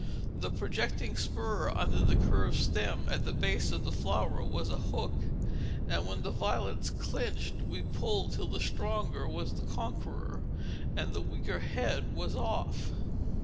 The projecting spur under the curved stem at the base of the flower was a hook, and when the violets "clinched" we pulled till the stronger was conqueror, and the weaker head was off.